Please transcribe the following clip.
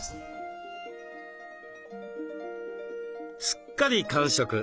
すっかり完食。